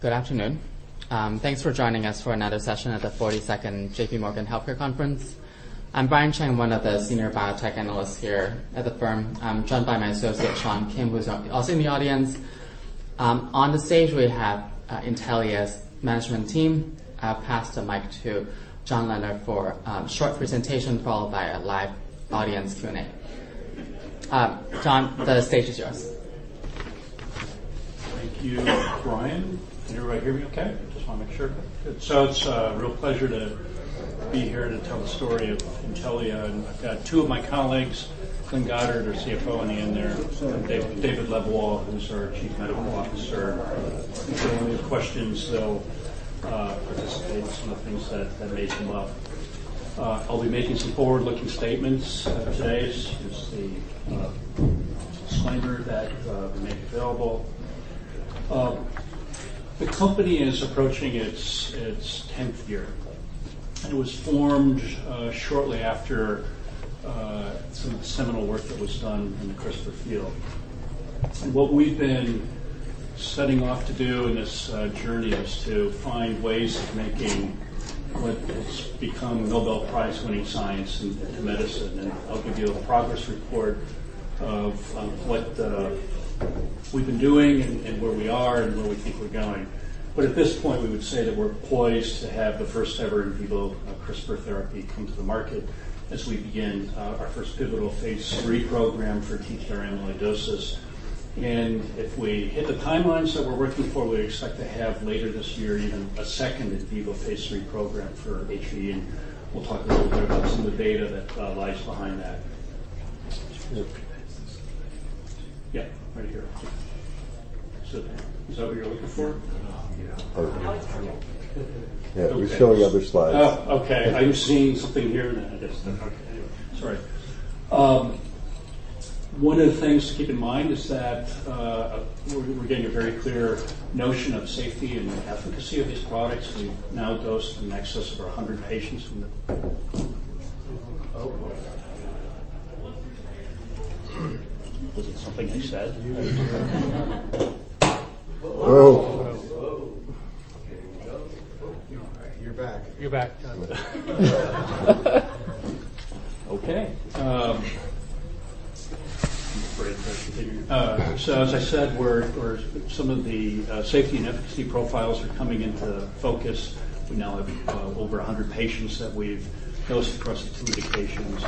Good afternoon. Thanks for joining us for another session at the 42nd J.P. Morgan Healthcare Conference. I'm Brian Cheng, one of the senior biotech analysts here at the firm. I'm joined by my associate, Sean Kim, who's also in the audience. On the stage, we have Intellia's management team. I'll pass the mic to John Leonard for a short presentation, followed by a live audience Q&A. John, the stage is yours. Thank you, Brian. Can everybody hear me okay? Just want to make sure. So it's a real pleasure to be here to tell the story of Intellia, and I've got two of my colleagues, Glenn Goddard, our CFO, on the end there, and David Lebwohl, who's our Chief Medical Officer. If you have any questions, they'll participate in some of the things that may come up. I'll be making some forward-looking statements today. This is the disclaimer that we make available. The company is approaching its tenth year. It was formed shortly after some seminal work that was done in the CRISPR field. What we've been setting off to do in this journey is to find ways of making what has become Nobel Prize-winning science in medicine, and I'll give you a progress report of what we've been doing and where we are and where we think we're going. At this point, we would say that we're poised to have the first-ever in vivo CRISPR therapy come to the market as we begin our first pivotal Phase III program for TTR amyloidosis. If we hit the timelines that we're working for, we expect to have later this year even a second in vivo Phase III program for HAE, and we'll talk a little bit about some of the data that lies behind that. Yeah, right here. So is that what you're looking for? Yeah. Okay. Yeah, we're showing other slides. Oh, okay. Are you seeing something here? Okay, anyway, sorry. One of the things to keep in mind is that, we're getting a very clear notion of safety and efficacy of these products. We've now dosed in excess of 100 patients from the... Oh, boy! Was it something I said? Oh. Whoa! You're back. You're back, John. Okay, so as I said, we're some of the safety and efficacy profiles are coming into focus. We now have over 100 patients that we've dosed across the two indications.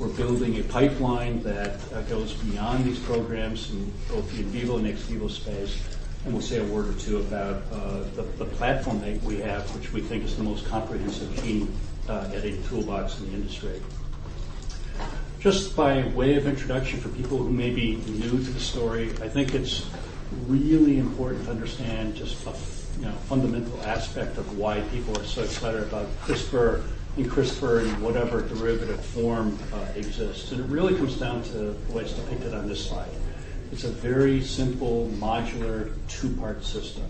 We're building a pipeline that goes beyond these programs in both the in vivo and ex vivo space, and we'll say a word or two about the platform that we have, which we think is the most comprehensive gene editing toolbox in the industry. Just by way of introduction, for people who may be new to the story, I think it's really important to understand just a you know, fundamental aspect of why people are so excited about CRISPR, and CRISPR in whatever derivative form exists. And it really comes down to the ways depicted on this slide. It's a very simple, modular, two-part system.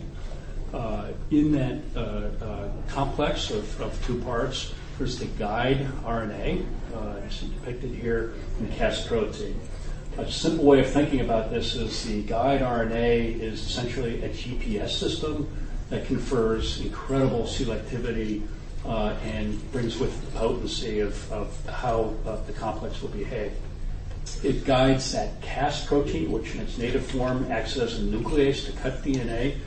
In that complex of two parts, there's the guide RNA, as depicted here, and Cas protein. A simple way of thinking about this is the guide RNA is essentially a GPS system that confers incredible selectivity, and brings with the potency of how the complex will behave. It guides that Cas protein, which in its native form, acts as a nuclease to cut DNA.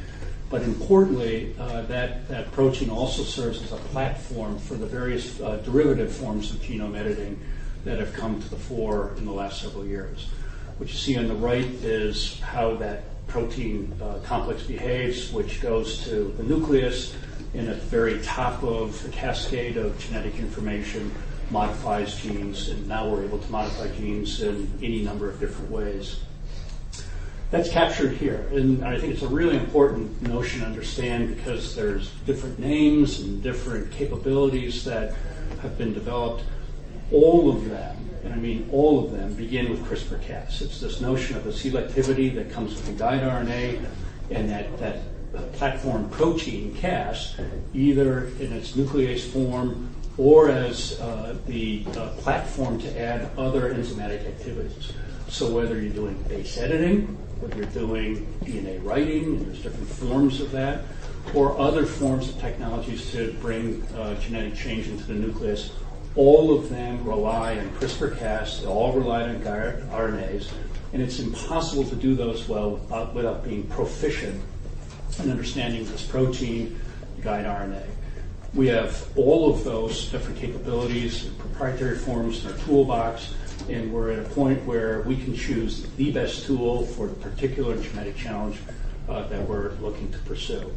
But importantly, that protein also serves as a platform for the various derivative forms of genome editing that have come to the fore in the last several years. What you see on the right is how that protein complex behaves, which goes to the nucleus in a very top of the cascade of genetic information, modifies genes, and now we're able to modify genes in any number of different ways. That's captured here, and I think it's a really important notion to understand because there's different names and different capabilities that have been developed. All of them, and I mean all of them, begin with CRISPR-Cas. It's this notion of the selectivity that comes with the guide RNA and that, that platform protein, Cas, either in its nuclease form or as the platform to add other enzymatic activities. So whether you're doing base editing, whether you're doing DNA writing, and there's different forms of that, or other forms of technologies to bring genetic change into the nucleus, all of them rely on CRISPR-Cas, they all rely on guide RNAs, and it's impossible to do those well without being proficient in understanding this protein guide RNA. We have all of those different capabilities and proprietary forms in our toolbox, and we're at a point where we can choose the best tool for the particular genetic challenge that we're looking to pursue.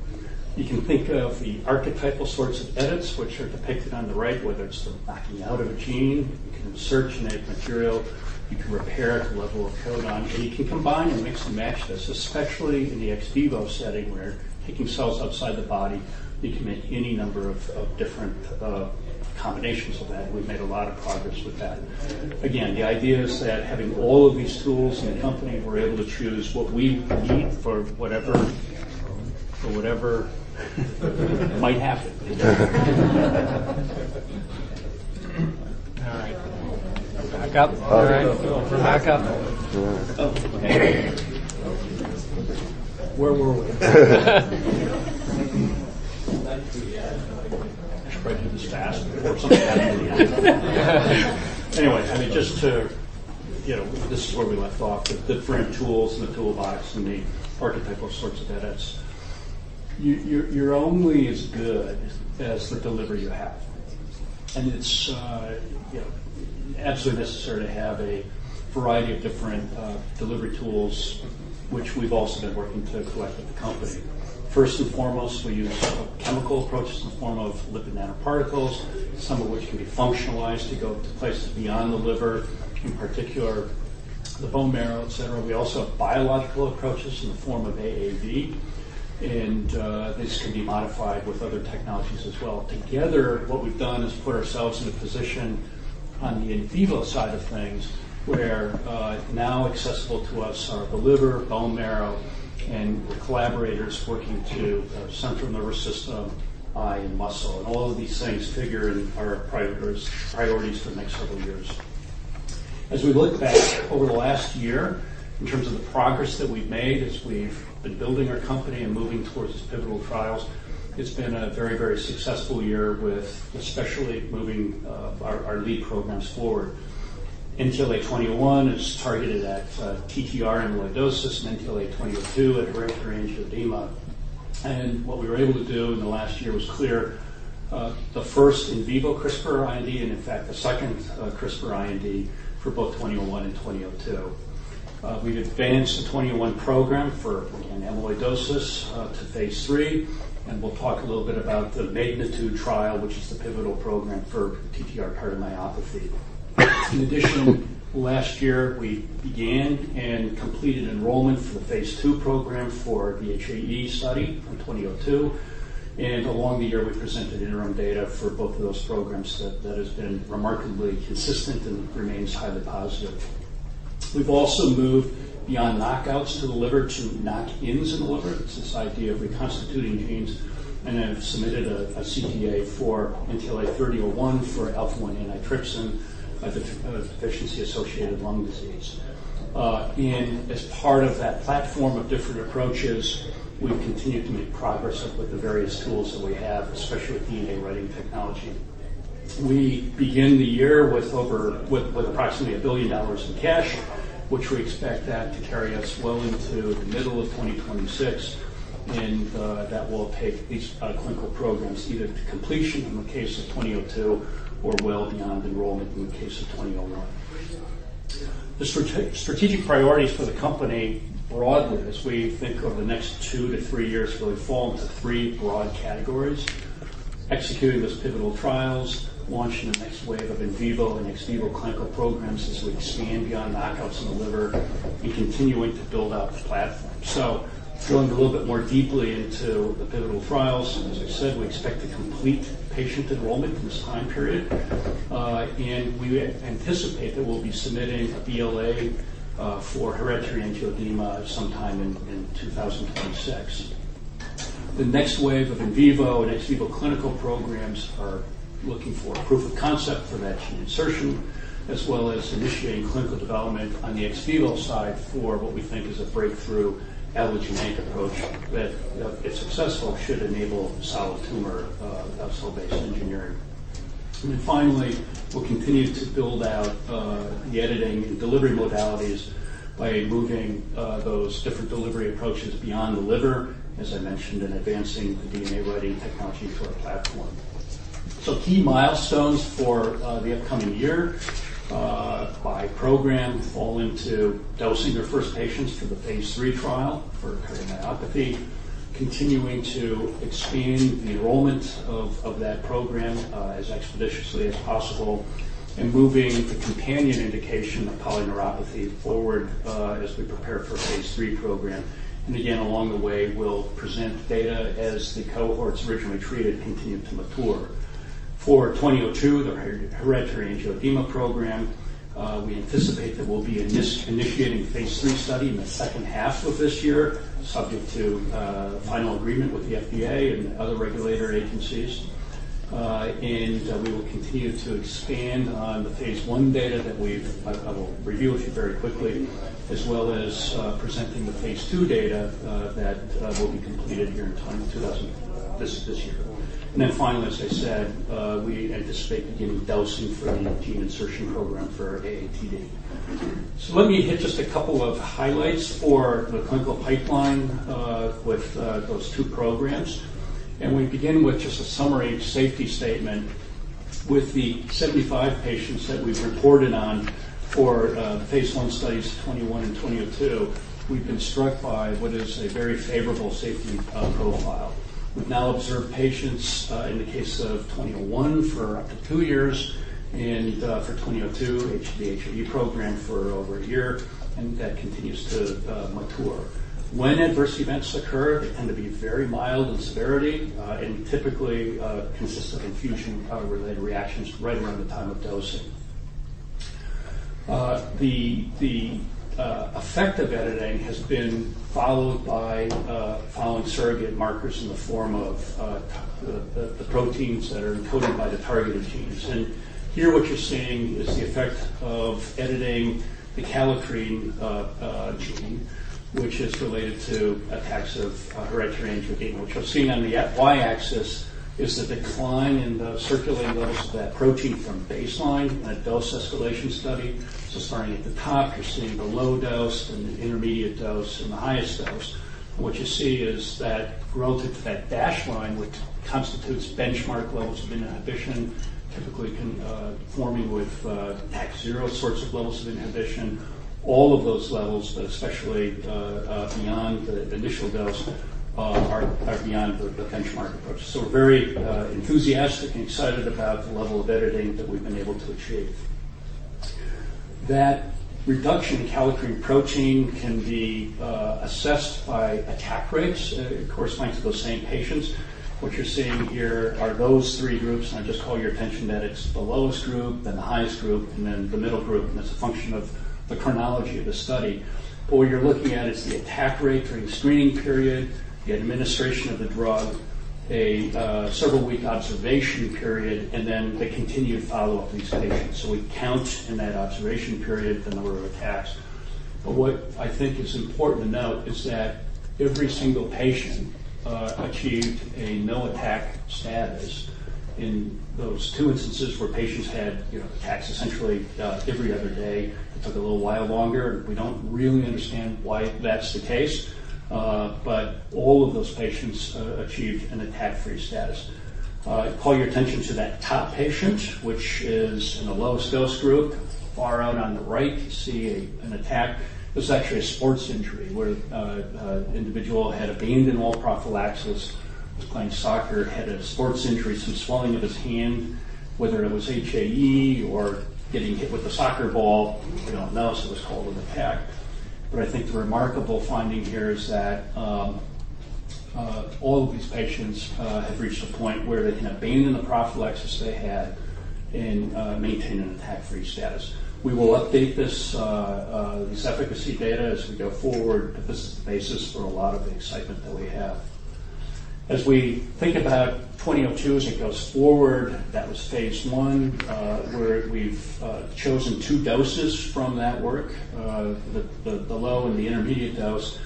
You can think of the archetypal sorts of edits, which are depicted on the right, whether it's the knocking out of a gene, you can search genetic material, you can repair at the level of codon, and you can combine and mix and match this, especially in the ex vivo setting, where taking cells outside the body, we can make any number of different combinations of that. We've made a lot of progress with that. Again, the idea is that having all of these tools in the company, we're able to choose what we need for whatever might happen. ... All right, back up. All right, back up. Oh, where were we? Try to do this fast before something happens. Anyway, I mean, just to, you know, this is where we left off, with different tools in the toolbox and the archetypal sorts of edits. You're only as good as the delivery you have. And it's, you know, absolutely necessary to have a variety of different delivery tools, which we've also been working to collect at the company. First and foremost, we use a chemical approach in the form of lipid nanoparticles, some of which can be functionalized to go to places beyond the liver, in particular, the bone marrow, et cetera. We also have biological approaches in the form of AAV, and this can be modified with other technologies as well. Together, what we've done is put ourselves in a position on the in vivo side of things, where now accessible to us are the liver, bone marrow, and with collaborators working to central nervous system, eye, and muscle. And all of these things figure in our priorities for the next several years. As we look back over the last year, in terms of the progress that we've made as we've been building our company and moving towards these pivotal trials, it's been a very, very successful year with especially moving our lead programs forward. NTLA-2001 is targeted at TTR amyloidosis and NTLA-2002 at hereditary angioedema. And what we were able to do in the last year was clear the first in vivo CRISPR IND, and in fact, the second CRISPR IND for both 2001 and 2002. We've advanced the 2001 program for an amyloidosis to phase III, and we'll talk a little bit about the MAGNITUDE trial, which is the pivotal program for TTR cardiomyopathy. In addition, last year, we began and completed enrollment for the phase II program for the HAE study on 2002, and along the year, we presented interim data for both of those programs that has been remarkably consistent and remains highly positive. We've also moved beyond knockouts to the liver, to knock-ins in the liver. It's this idea of reconstituting genes and have submitted a CTA for NTLA-3001 for alpha-1 antitrypsin deficiency associated lung disease. And as part of that platform of different approaches, we've continued to make progress with the various tools that we have, especially with DNA writing technology. We begin the year with over... with approximately $1 billion in cash, which we expect that to carry us well into the middle of 2026, and that will take these clinical programs either to completion in the case of 2002 or well beyond enrollment in the case of 2001. The strategic priorities for the company broadly, as we think over the next 2-3 years, really fall into 3 broad categories: executing those pivotal trials, launching the next wave of in vivo and ex vivo clinical programs as we expand beyond knockouts in the liver, and continuing to build out the platform. So going a little bit more deeply into the pivotal trials, and as I said, we expect to complete patient enrollment in this time period. And we anticipate that we'll be submitting a BLA for hereditary angioedema sometime in 2026. The next wave of in vivo and ex vivo clinical programs are looking for proof of concept for that gene insertion, as well as initiating clinical development on the ex vivo side for what we think is a breakthrough allogeneic approach that, if successful, should enable solid tumor, cell-based engineering. And then finally, we'll continue to build out the editing and delivery modalities by moving those different delivery approaches beyond the liver, as I mentioned, and advancing the DNA writing technology to our platform. So key milestones for the upcoming year, by program fall into dosing their first patients for the phase III trial for cardiomyopathy, continuing to expand the enrollment of that program as expeditiously as possible, and moving the companion indication of polyneuropathy forward as we prepare for a phase III program. And again, along the way, we'll present data as the cohorts originally treated continue to mature. For 2002, the hereditary angioedema program, we anticipate that we'll be initiating a phase III study in the second half of this year, subject to final agreement with the FDA and other regulatory agencies. And we will continue to expand on the phase I data that we've. I will review with you very quickly, as well as presenting the phase II data that will be completed here in time this year. And then finally, as I said, we anticipate beginning dosing for the gene insertion program for AATD. So let me hit just a couple of highlights for the clinical pipeline with those two programs, and we begin with just a summary safety statement. With the 75 patients that we've reported on for phase I studies, 2001 and 2002, we've been struck by what is a very favorable safety profile. We've now observed patients in the case of 2001 for up to 2 years and for 2002, it should be HAE program for over 1 year, and that continues to mature. When adverse events occur, they tend to be very mild in severity and typically consist of infusion-related reactions right around the time of dosing.... The effect of editing has been followed by following surrogate markers in the form of the proteins that are encoded by the targeted genes. And here what you're seeing is the effect of editing the kallikrein gene, which is related to attacks of hereditary angioedema. What you're seeing on the Y-axis is the decline in the circulating levels of that protein from baseline in a dose escalation study. So starting at the top, you're seeing the low dose, then the intermediate dose, and the highest dose. What you see is that relative to that dashed line, which constitutes benchmark levels of inhibition, typically can, conforming with, Takhzyro sorts of levels of inhibition. All of those levels, but especially, beyond the initial dose, are, are beyond the, the benchmark approach. So we're very, enthusiastic and excited about the level of editing that we've been able to achieve. That reduction in kallikrein protein can be, assessed by attack rates, corresponding to those same patients. What you're seeing here are those three groups, and I just call your attention that it's the lowest group, then the highest group, and then the middle group, and that's a function of the chronology of the study. What you're looking at is the attack rate during the screening period, the administration of the drug, several-week observation period, and then the continued follow-up of these patients. So we count in that observation period, the number of attacks. But what I think is important to note is that every single patient achieved a no-attack status. In those two instances where patients had, you know, attacks essentially every other day, it took a little while longer, and we don't really understand why that's the case. But all of those patients achieved an attack-free status. I call your attention to that top patient, which is in the lowest dose group, far out on the right, you see an attack. It was actually a sports injury, where individual had abandoned all prophylaxis, was playing soccer, had a sports injury, some swelling of his hand. Whether it was HAE or getting hit with a soccer ball, we don't know, so it was called an attack. But I think the remarkable finding here is that all of these patients have reached a point where they can abandon the prophylaxis they had and maintain an attack-free status. We will update these efficacy data as we go forward, but this is the basis for a lot of the excitement that we have. As we think about 2002, as it goes forward, that was phase 1, where we've chosen two doses from that work. The low and the intermediate dose,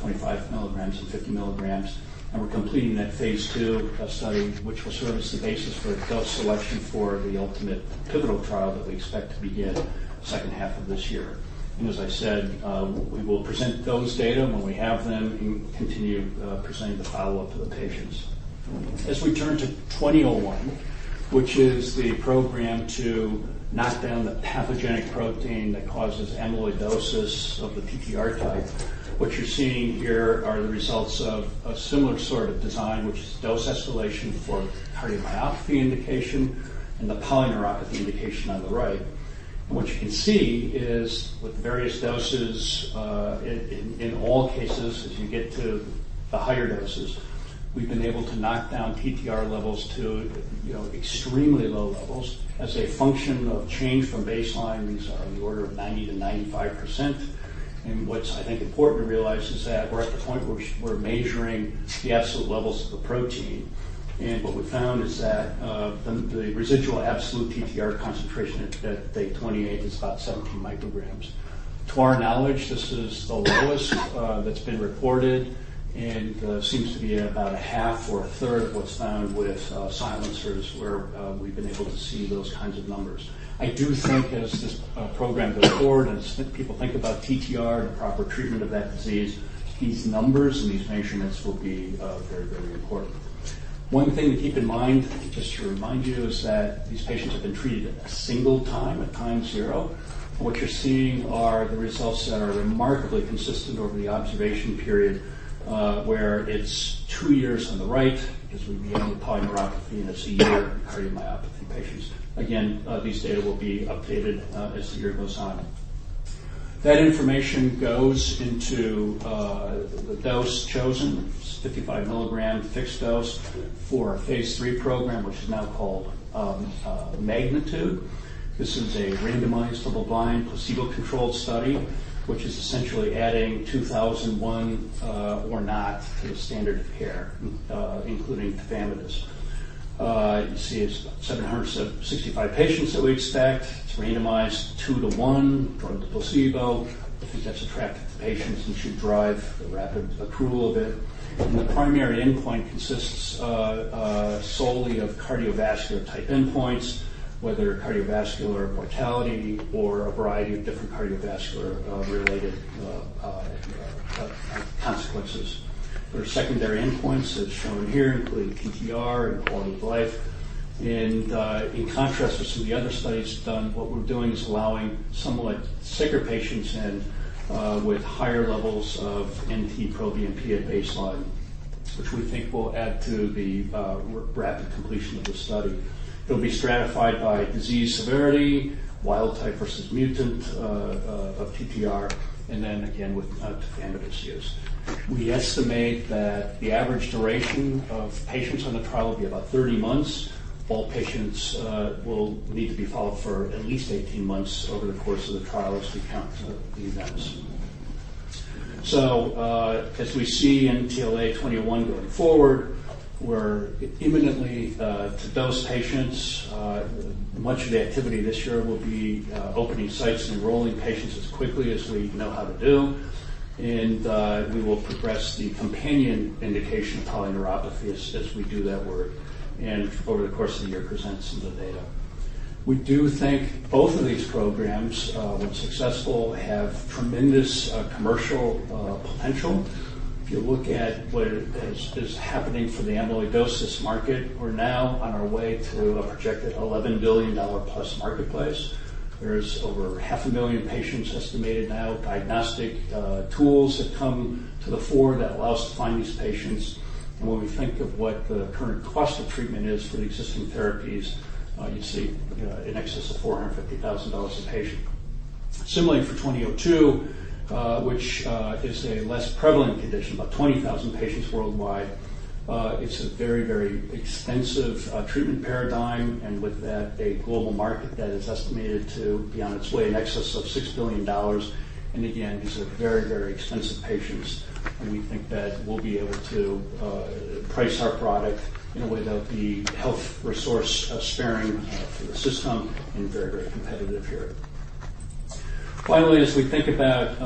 25 milligrams and 50 milligrams. And we're completing that phase 2 study, which will serve as the basis for a dose selection for the ultimate pivotal trial that we expect to begin the second half of this year. And as I said, we will present those data when we have them and continue presenting the follow-up to the patients. As we turn to 2001, which is the program to knock down the pathogenic protein that causes amyloidosis of the TTR type. What you're seeing here are the results of a similar sort of design, which is dose escalation for cardiomyopathy indication and the polyneuropathy indication on the right. What you can see is with the various doses, in all cases, as you get to the higher doses, we've been able to knock down TTR levels to, you know, extremely low levels as a function of change from baseline. These are in the order of 90%-95%. And what's, I think, important to realize is that we're at the point where we're measuring the absolute levels of the protein. And what we found is that, the residual absolute TTR concentration at day 28 is about 17 micrograms. To our knowledge, this is the lowest that's been reported and seems to be about a half or a third of what's found with silencers, where we've been able to see those kinds of numbers. I do think as this program goes forward, as people think about TTR and the proper treatment of that disease, these numbers and these measurements will be very, very important. One thing to keep in mind, just to remind you, is that these patients have been treated a single time, at time zero. What you're seeing are the results that are remarkably consistent over the observation period, where it's 2 years on the right, as we begin the polyneuropathy, and it's 1 year in cardiomyopathy patients. Again, these data will be updated as the year goes on. That information goes into the dose chosen. It's 55 mg fixed dose for a phase III program, which is now called MAGNITUDE. This is a randomized, double-blind, placebo-controlled study, which is essentially adding NTLA-2001 or not to the standard of care, including tafamidis. You see, it's 765 patients that we expect. It's randomized 2 to 1, drug to placebo. I think that's attractive to patients and should drive the rapid approval of it. And the primary endpoint consists solely of cardiovascular-type endpoints, whether cardiovascular mortality or a variety of different cardiovascular related consequences. There are secondary endpoints, as shown here, including TTR and quality of life. And, in contrast with some of the other studies done, what we're doing is allowing somewhat sicker patients in with higher levels of NT-proBNP at baseline, which we think will add to the rapid completion of the study. They'll be stratified by disease severity, wild type versus mutant of TTR, and then again, with amyloidosis. We estimate that the average duration of patients on the trial will be about 30 months. All patients will need to be followed for at least 18 months over the course of the trial as we count the events. So, as we see in NTLA-2001 going forward, we're imminently to dose patients. Much of the activity this year will be opening sites and enrolling patients as quickly as we know how to do, and we will progress the companion indication polyneuropathy as we do that work, and over the course of the year, present some of the data. We do think both of these programs, when successful, have tremendous commercial potential. If you look at what is happening for the amyloidosis market, we're now on our way to a projected $11 billion+ marketplace. There's over 500,000 patients estimated now. Diagnostic tools have come to the fore that allow us to find these patients. And when we think of what the current cost of treatment is for the existing therapies, you see in excess of $450,000 a patient. Similarly, for NTLA-2002, which is a less prevalent condition, about 20,000 patients worldwide. It's a very, very expensive treatment paradigm, and with that, a global market that is estimated to be on its way in excess of $6 billion. And again, these are very, very expensive patients, and we think that we'll be able to price our product in a way that will be health resource sparing for the system and very, very competitive here. Finally, as we think about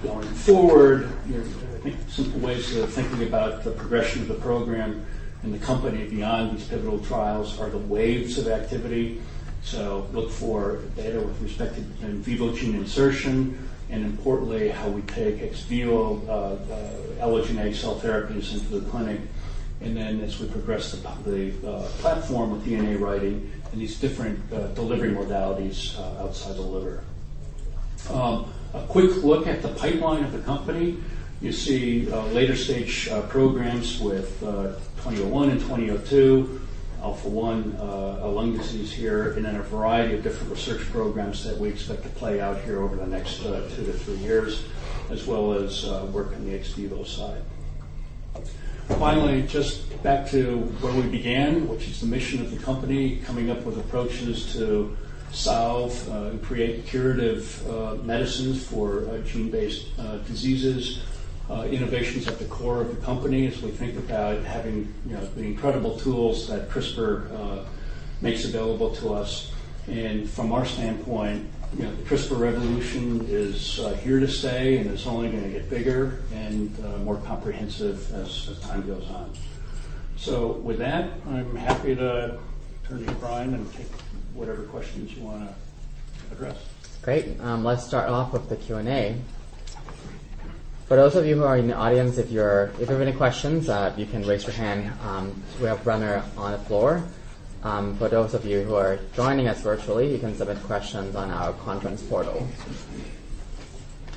going forward, you know, I think simple ways of thinking about the progression of the program and the company beyond these pivotal trials are the waves of activity. So look for data with respect to in vivo gene insertion, and importantly, how we take ex vivo allogeneic cell therapies into the clinic, and then as we progress the platform of DNA writing and these different delivery modalities outside the liver. A quick look at the pipeline of the company. You see, later stage programs with NTLA-2001 and NTLA-2002, alpha-1 lung disease here, and then a variety of different research programs that we expect to play out here over the next two to three years, as well as work on the ex vivo side. Finally, just back to where we began, which is the mission of the company, coming up with approaches to solve and create curative medicines for gene-based diseases. Innovation is at the core of the company as we think about having, you know, the incredible tools that CRISPR makes available to us. And from our standpoint, you know, the CRISPR revolution is here to stay, and it's only going to get bigger and more comprehensive as time goes on. So with that, I'm happy to turn to Brian and take whatever questions you want to address. Great. Let's start off with the Q&A. For those of you who are in the audience, if you have any questions, you can raise your hand, we have runner on the floor. For those of you who are joining us virtually, you can submit questions on our conference portal.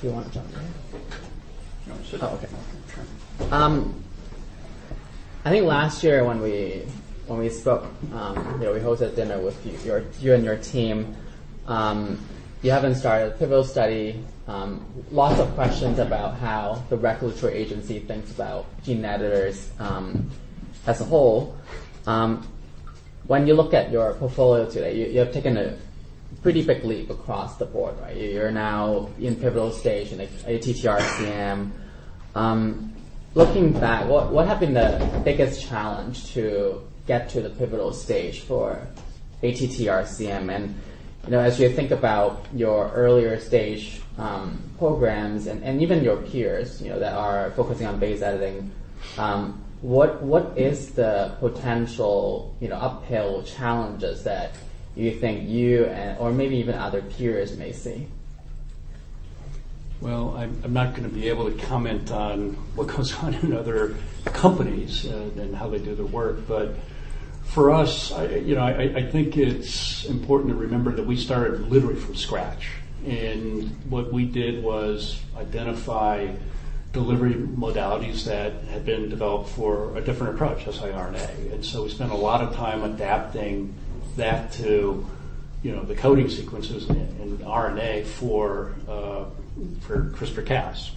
Do you want to jump in? No. Oh, okay. Sure. I think last year when we, when we spoke, you know, we hosted a dinner with you, your, you and your team. You haven't started a pivotal study, lots of questions about how the regulatory agency thinks about gene editors, as a whole. When you look at your portfolio today, you, you have taken a pretty big leap across the board, right? You're now in pivotal stage in ATTR-CM. Looking back, what, what have been the biggest challenge to get to the pivotal stage for ATTR-CM? And, you know, as you think about your earlier stage, programs and, and even your peers, you know, that are focusing on base editing, what, what is the potential, you know, uphill challenges that you think you and or maybe even other peers may see? Well, I'm not going to be able to comment on what goes on in other companies than how they do their work. But for us, you know, I think it's important to remember that we started literally from scratch, and what we did was identify delivery modalities that had been developed for a different approach, siRNA. And so we spent a lot of time adapting that to, you know, the coding sequences and RNA for CRISPR-Cas.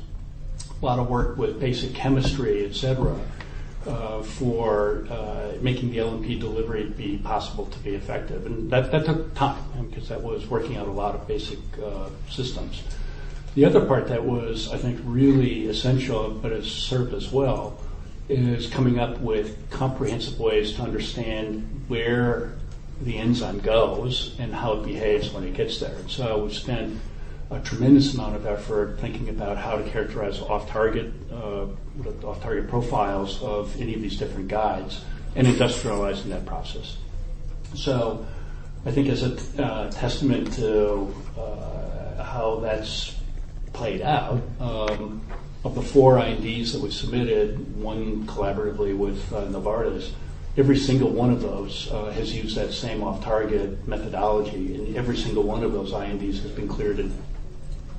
A lot of work with basic chemistry, et cetera, for making the LNP delivery be possible to be effective. And that took time because that was working out a lot of basic systems. The other part that was, I think, really essential, but has served us well, is coming up with comprehensive ways to understand where the enzyme goes and how it behaves when it gets there. And so we've spent a tremendous amount of effort thinking about how to characterize off-target profiles of any of these different guides and industrializing that process. So I think as a testament to how that's played out, of the four INDs that we submitted, one collaboratively with Novartis, every single one of those has used that same off-target methodology, and every single one of those INDs has been cleared in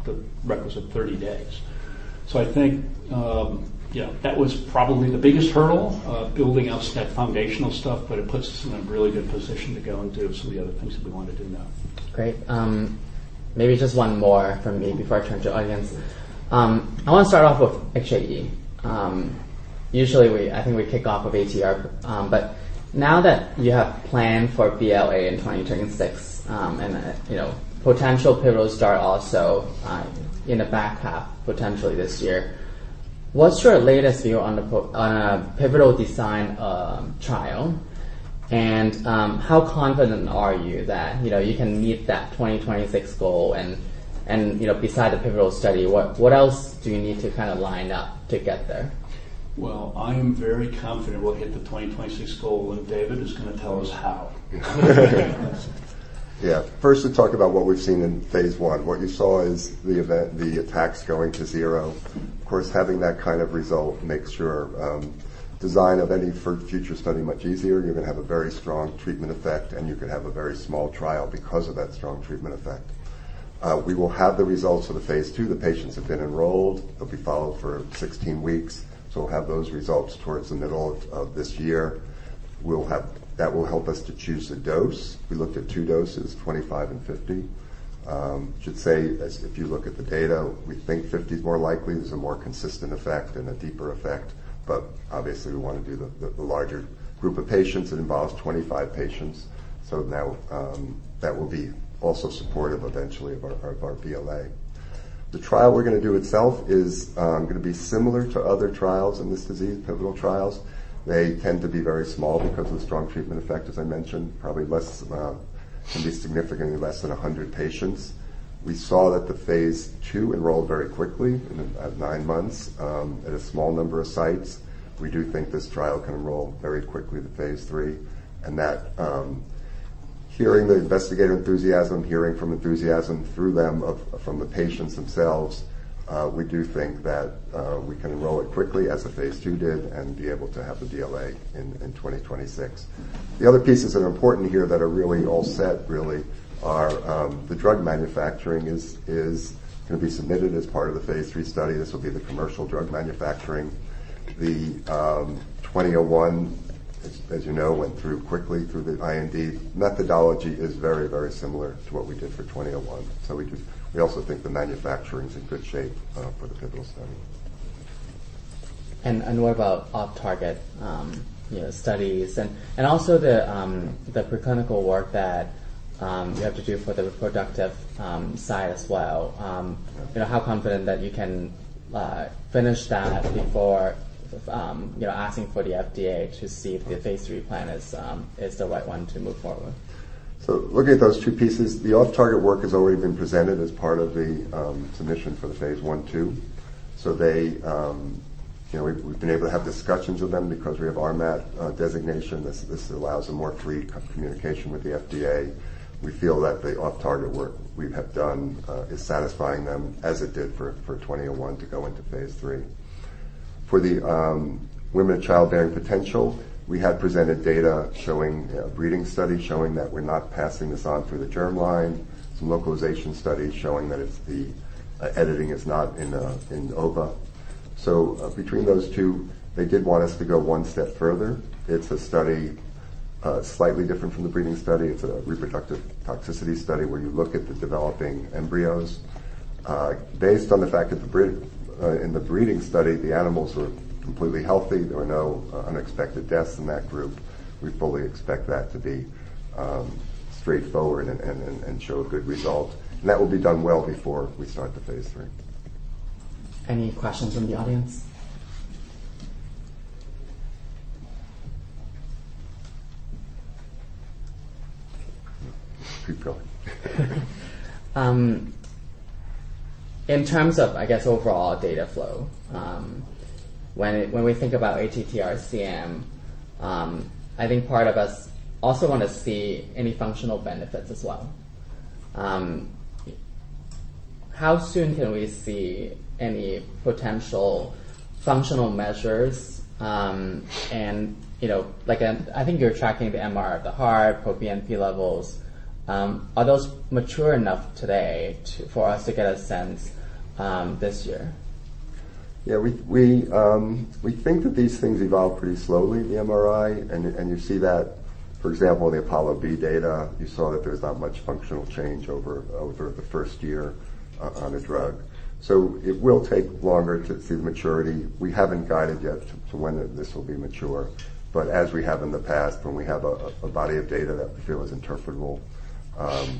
the requisite 30 days. I think, yeah, that was probably the biggest hurdle, building out that foundational stuff, but it puts us in a really good position to go and do some of the other things that we want to do now. Great, maybe just one more from me before I turn to audience. I want to start off with HAE. Usually, I think we kick off with ATTR, but now that you have planned for BLA in 2026, and, you know, potential pivotal start also, in the back half, potentially this year, what's your latest view on the on a pivotal design, trial? And, how confident are you that, you know, you can meet that 2026 goal and, and, you know, besides the pivotal study, what, what else do you need to kind of line up to get there? Well, I am very confident we'll hit the 2026 goal, and David is going to tell us how. Yeah. First, let's talk about what we've seen in phase one. What you saw is the event, the attacks going to zero. Of course, having that kind of result makes your design of any future study much easier. You're going to have a very strong treatment effect, and you can have a very small trial because of that strong treatment effect. We will have the results of the phase two. The patients have been enrolled. They'll be followed for 16 weeks, so we'll have those results towards the middle of this year. We'll have-- That will help us to choose a dose. We looked at two doses, 25 and 50. Should say, if you look at the data, we think 50 is more likely. There's a more consistent effect and a deeper effect, but obviously, we want to do the larger group of patients. It involves 25 patients, so now, that will be also supportive eventually of our BLA. The trial we're going to do itself is going to be similar to other trials in this disease, pivotal trials. They tend to be very small because of the strong treatment effect, as I mentioned, probably less, can be significantly less than 100 patients. We saw that the phase 2 enrolled very quickly, in 9 months, at a small number of sites. We do think this trial can enroll very quickly to phase 3, and that, hearing the investigator enthusiasm, hearing from the patients themselves, we do think that we can enroll it quickly as the phase 2 did, and be able to have the BLA in 2026. The other pieces that are important here that are really all set really are the drug manufacturing is going to be submitted as part of the phase 3 study. This will be the commercial drug manufacturing. The 2001, as you know, went through quickly through the IND. Methodology is very, very similar to what we did for 2001, so we could we also think the manufacturing is in good shape for the pivotal study. What about off-target, you know, studies and also the preclinical work that you have to do for the reproductive side as well? You know, how confident that you can finish that before, you know, asking for the FDA to see if the phase 3 plan is the right one to move forward? So looking at those two pieces, the off-target work has already been presented as part of the submission for the phase 1/2. So they, you know, we've been able to have discussions with them because we have RMAT designation. This allows a more free communication with the FDA. We feel that the off-target work we have done is satisfying them as it did for 2001 to go into phase 3. For the women of childbearing potential, we had presented data showing breeding study showing that we're not passing this on through the germline. Some localization studies showing that the editing is not in the ova. So between those two, they did want us to go one step further. It's a study slightly different from the breeding study. It's a reproductive toxicity study, where you look at the developing embryos. Based on the fact that in the breeding study, the animals were completely healthy. There were no unexpected deaths in that group. We fully expect that to be straightforward and show a good result. And that will be done well before we start the phase 3. Any questions from the audience? Keep going. In terms of, I guess, overall data flow, when we think about ATTR-CM, I think part of us also want to see any functional benefits as well. How soon can we see any potential functional measures? And, you know, like, I think you're tracking the MR of the heart, proBNP levels. Are those mature enough today to for us to get a sense, this year? Yeah, we think that these things evolve pretty slowly, the MRI, and you see that, for example, in the APOLLO-B data. You saw that there's not much functional change over the first year on a drug. So it will take longer to see the maturity. We haven't guided yet to when this will be mature, but as we have in the past, when we have a body of data that we feel is interpretable,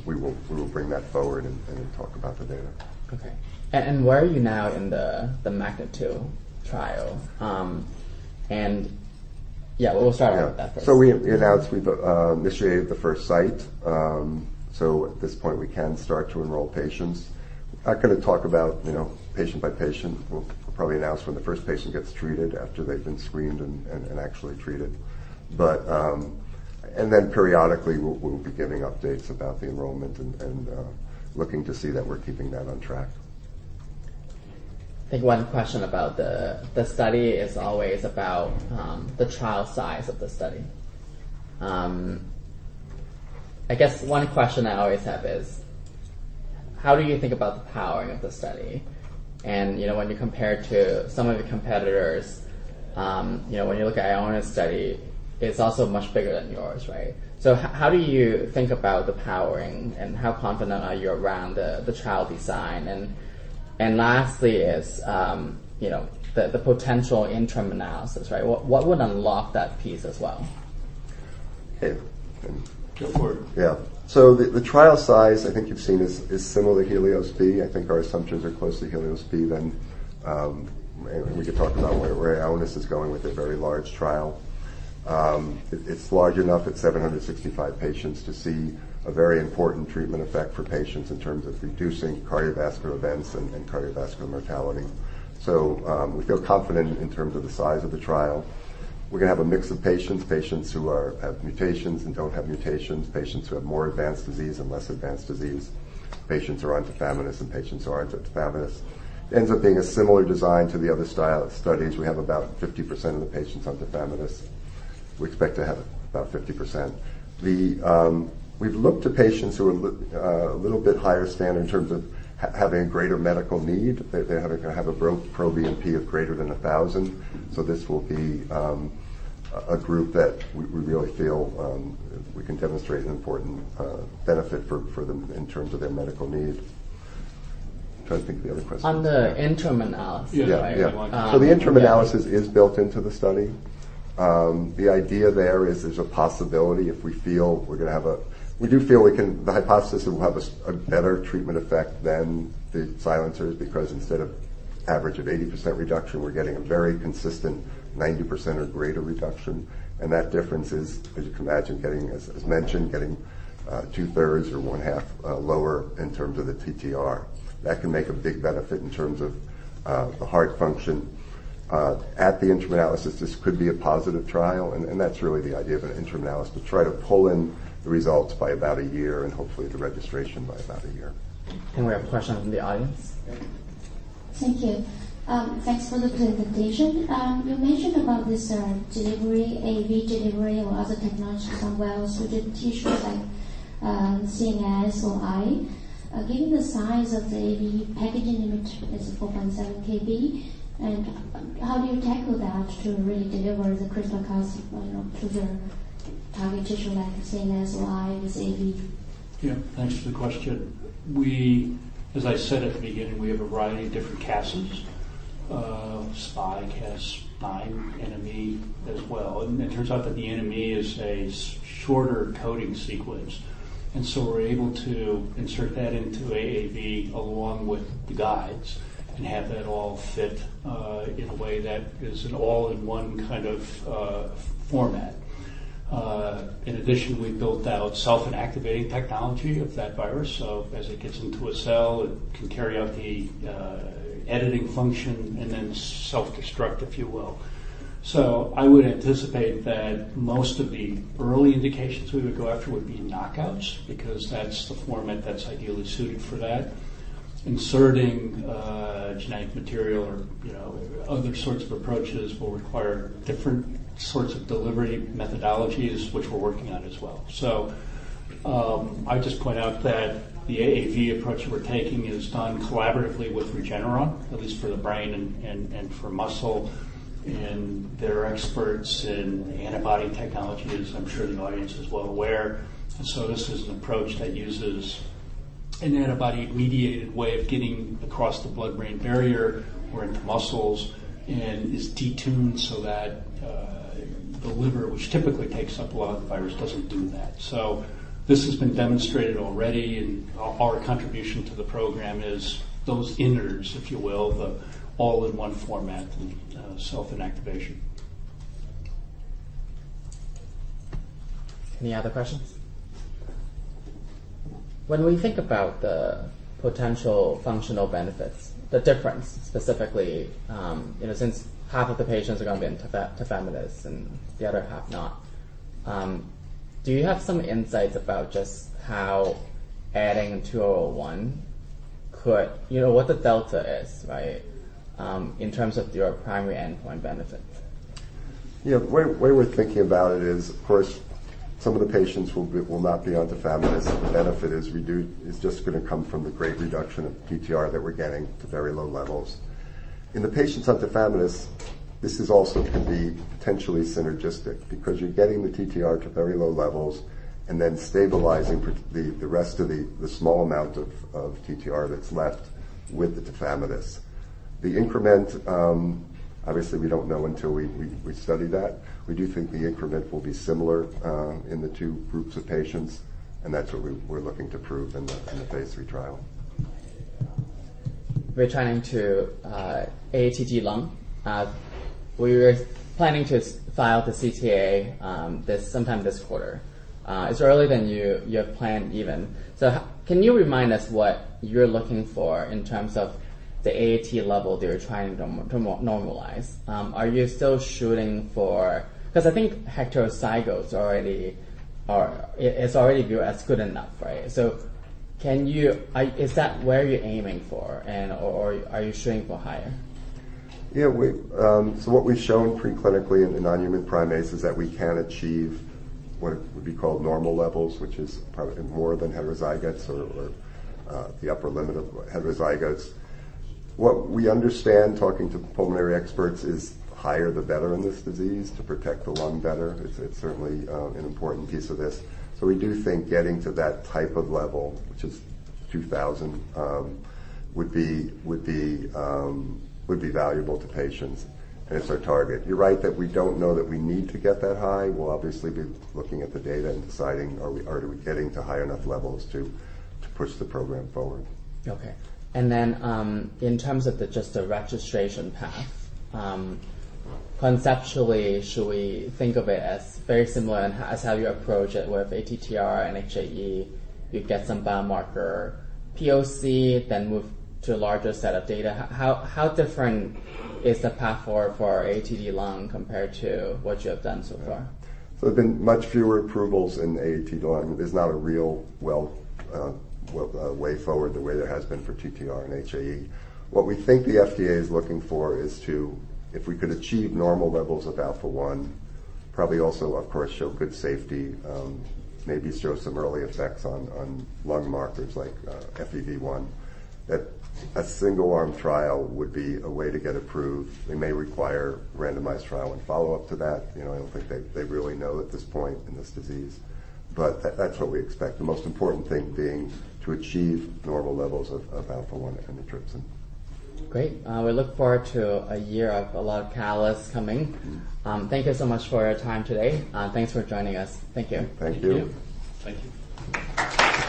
we will bring that forward and talk about the data. Okay. And where are you now in the MAGNITUDE-2 trial? And yeah, we'll start with that first. So we announced we've initiated the first site. So at this point, we can start to enroll patients. Not gonna talk about, you know, patient by patient. We'll probably announce when the first patient gets treated after they've been screened and actually treated. But. Then periodically, we'll be giving updates about the enrollment and looking to see that we're keeping that on track. I think one question about the study is always about the trial size of the study. I guess one question I always have is: How do you think about the powering of the study? And, you know, when you compare it to some of the competitors, you know, when you look at Ionis study, it's also much bigger than yours, right? So how do you think about the powering, and how confident are you around the trial design? And lastly, you know, the potential interim analysis, right? What would unlock that piece as well? Okay, and- Go for it. Yeah. So the trial size, I think you've seen, is similar to HELIOS-B. I think our assumptions are close to HELIOS-B, then, and we can talk about where Ionis is going with a very large trial. It's large enough at 765 patients to see a very important treatment effect for patients in terms of reducing cardiovascular events and cardiovascular mortality. So, we feel confident in terms of the size of the trial. We're gonna have a mix of patients who have mutations and don't have mutations, patients who have more advanced disease and less advanced disease, patients who are on tafamidis, and patients who aren't on tafamidis. It ends up being a similar design to the other style of studies. We have about 50% of the patients on tafamidis. We expect to have about 50%. We've looked to patients who are a little bit higher standard in terms of having greater medical need. They have a NT-proBNP of greater than 1,000. So this will be a group that we really feel we can demonstrate an important benefit for them in terms of their medical needs. I'm trying to think of the other question. On the interim analysis. Yeah, yeah. Yeah. So the interim analysis is built into the study. The idea there is, there's a possibility if we feel we're gonna have a-- we do feel we can. The hypothesis will have a better treatment effect than the silencers because instead of average of 80% reduction, we're getting a very consistent 90% or greater reduction, and that difference is, as you can imagine, getting, as mentioned, getting two-thirds or one-half lower in terms of the TTR. That can make a big benefit in terms of the heart function. At the interim analysis, this could be a positive trial, and that's really the idea of an interim analysis, to try to pull in the results by about a year and hopefully the registration by about a year. We have a question from the audience. Thank you. Thanks for the presentation. You mentioned about this, delivery, AAV delivery or other technologies as well suited tissues like, CNS or eye. Given the size of the AAV packaging limit is 4.7 kb, and, how do you tackle that to really deliver the CRISPR-Cas, you know, to the target tissue like CNS, eye with AAV? Yeah. Thanks for the question. We, as I said at the beginning, have a variety of different Cas, SpyCas9, Nme as well, and it turns out that the Nme is a shorter coding sequence. And so we're able to insert that into AAV, along with the guides, and have that all fit in a way that is an all-in-one kind of format. In addition, we've built out self-inactivating technology of that virus. So as it gets into a cell, it can carry out the editing function and then self-destruct, if you will. So I would anticipate that most of the early indications we would go after would be knockouts, because that's the format that's ideally suited for that. Inserting genetic material or, you know, other sorts of approaches will require different sorts of delivery methodologies, which we're working on as well. So, I just point out that the AAV approach we're taking is done collaboratively with Regeneron, at least for the brain and for muscle. And they're experts in antibody technology, as I'm sure the audience is well aware. And so this is an approach that uses an antibody-mediated way of getting across the blood-brain barrier or into muscles, and is detuned so that the liver, which typically takes up a lot of the virus, doesn't do that. So this has been demonstrated already, and our contribution to the program is those innards, if you will, the all-in-one format and self-inactivation. Any other questions? When we think about the potential functional benefits, the difference specifically, you know, since half of the patients are gonna be on Tafamidis and the other half not, do you have some insights about just how adding NTLA-2001 could... You know, what the delta is, right? In terms of your primary endpoint benefit. Yeah, the way we're thinking about it is, of course, some of the patients will not be on tafamidis, and the benefit is it's just gonna come from the great reduction of TTR that we're getting to very low levels. In the patients on tafamidis, this also can be potentially synergistic because you're getting the TTR to very low levels and then stabilizing the rest of the small amount of TTR that's left with the tafamidis. The increment, obviously, we don't know until we study that. We do think the increment will be similar in the two groups of patients, and that's what we're looking to prove in the phase 3 trial. Returning to AATD lung, we were planning to file the CTA sometime this quarter. It's earlier than you have planned even. So can you remind us what you're looking for in terms of the AAT level that you're trying to normalize? Are you still shooting for... 'Cause I think heterozygotes already are—it's already viewed as good enough, right? So, is that where you're aiming for, or are you shooting for higher?... Yeah, we so what we've shown preclinically in the non-human primates is that we can achieve what would be called normal levels, which is probably more than heterozygous or the upper limit of heterozygous. What we understand, talking to pulmonary experts, is the higher, the better in this disease to protect the lung better. It's certainly an important piece of this. So we do think getting to that type of level, which is 2,000, would be valuable to patients, and it's our target. You're right that we don't know that we need to get that high. We'll obviously be looking at the data and deciding, are we getting to high enough levels to push the program forward? Okay. And then, in terms of just the registration path, conceptually, should we think of it as very similar in how, as how you approach it with ATTR and HAE? You get some biomarker POC, then move to a larger set of data. How, how different is the path forward for AATD lung compared to what you have done so far? So there've been much fewer approvals in AATD lung. There's not a real well, well, way forward, the way there has been for ATTR and HAE. What we think the FDA is looking for is to... If we could achieve normal levels of alpha-1, probably also, of course, show good safety, maybe show some early effects on, on lung markers like, FEV1, that a single-arm trial would be a way to get approved. It may require randomized trial and follow-up to that. You know, I don't think they, they really know at this point in this disease, but that, that's what we expect. The most important thing being to achieve normal levels of, of alpha-1 antitrypsin. Great! We look forward to a year of a lot of catalysts coming. Mm-hmm. Thank you so much for your time today. Thanks for joining us. Thank you. Thank you. Thank you.